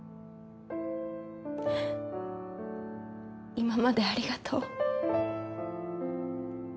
今までありがとう。